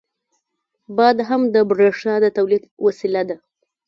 • باد هم د برېښنا د تولید وسیله ده.